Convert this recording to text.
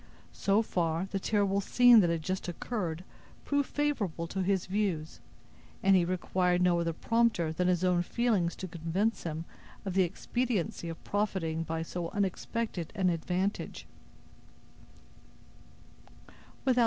So far, the terrible scene that had just occurred proved favorable to his views, and he required no other prompter than his own feelings to convince him of the expediency of profiting by so unexpected an advantage.